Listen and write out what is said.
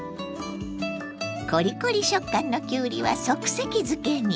コリコリ食感のきゅうりは即席漬けに。